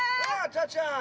たっちゃーん！